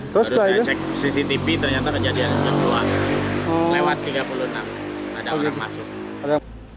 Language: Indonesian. terus dia cek cctv ternyata kejadiannya dua lewat tiga puluh enam ada orang masuk